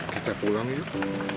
dia pulang yuk